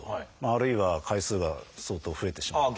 あるいは回数が相当増えてしまう。